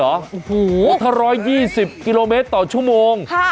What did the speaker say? โอ้โหถ้า๑๒๐กิโลเมตรต่อชั่วโมง